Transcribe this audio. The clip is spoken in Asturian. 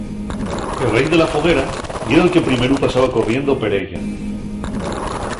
El rei de la foguera yera'l que primeru pasaba corriendo per ella.